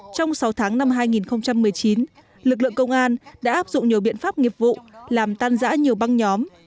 trong sáu tháng năm hai nghìn một mươi chín lực lượng công an đã áp dụng nhiều biện pháp nghiệp vụ làm tan giã nhiều băng nhóm